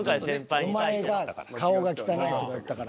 お前が「顔が汚い」とか言ったから。